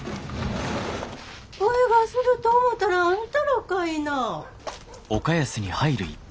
声がすると思たらあんたらかいな。